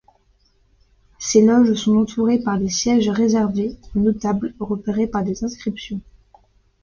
Ces loges sont entourées par les sièges réservés aux notables, repérés par des inscriptions.